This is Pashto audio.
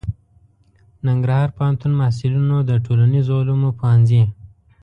ننګرهار پوهنتون محصلینو د ټولنیزو علومو پوهنځي